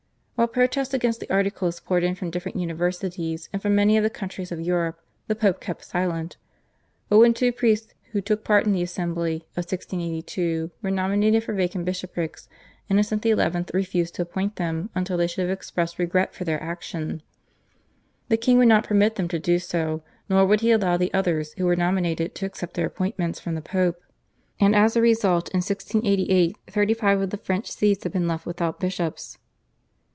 While protests against the articles poured in from different universities and from many of the countries of Europe the Pope kept silent; but when two priests, who took part in the Assembly of 1682, were nominated for vacant bishoprics Innocent XI. refused to appoint them until they should have expressed regret for their action. The king would not permit them to do so, nor would he allow the others who were nominated to accept their appointments from the Pope, and as a result in 1688 thirty five of the French Sees had been left without bishops.